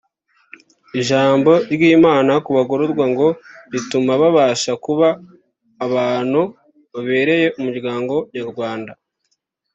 Ijambo ry’Imana ku bagororwa ngo rituma babasha kuba abantu babereye Umuryango Nyarwanda